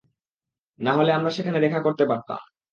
না হলে, আমরা সেখানে দেখা করতে পারতাম।